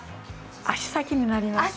足先になります。